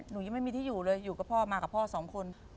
หนูยังไม่มีที่อยู่เลยอยู่กับพ่อมากับพ่อสองคน